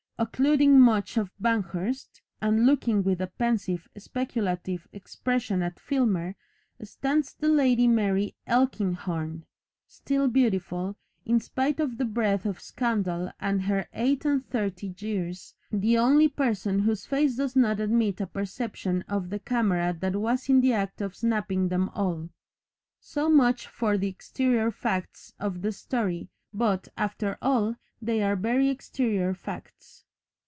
Occluding much of Banghurst, and looking with a pensive, speculative expression at Filmer, stands the Lady Mary Elkinghorn, still beautiful, in spite of the breath of scandal and her eight and thirty years, the only person whose face does not admit a perception of the camera that was in the act of snapping them all. So much for the exterior facts of the story, but, after all, they are very exterior facts.